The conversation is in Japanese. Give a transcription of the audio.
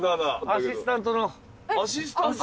アシスタントの？